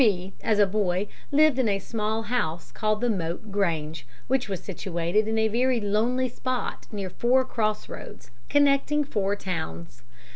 B., as a boy, lived in a small house called the Moat Grange, which was situated in a very lonely spot near four cross roads, connecting four towns.